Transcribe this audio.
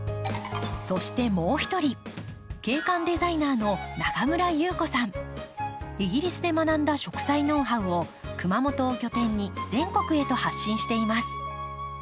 そしてもう一人イギリスで学んだ植栽ノウハウを熊本を拠点に全国へと発信しています。